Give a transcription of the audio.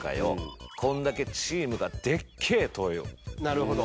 なるほど。